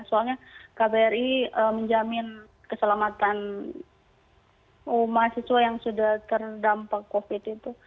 soalnya kbri menjamin keselamatan mahasiswa yang sudah terdampak covid itu